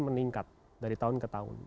meningkat dari tahun ke tahun